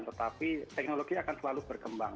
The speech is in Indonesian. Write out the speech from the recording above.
tetapi teknologi akan selalu berkembang